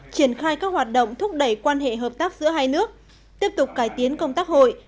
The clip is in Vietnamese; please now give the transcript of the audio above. triển khai các hoạt động thúc đẩy quan hệ hợp tác giữa hai nước tiếp tục cải tiến công tác hội